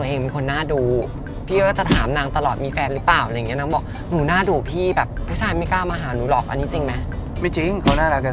ผมเชื่อว่าใครใกล้มุกดาจะหลงรัก